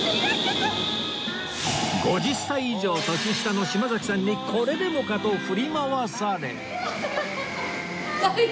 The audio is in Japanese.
５０歳以上年下の島崎さんにこれでもかと振り回され